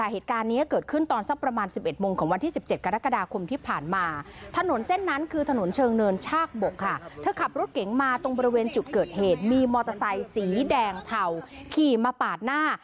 เหตุการณ์นี้เกิดขึ้นตอนสักประมาณ๑๑โมงของวันที่๑๗กรกฎาคมที่ผ่านมา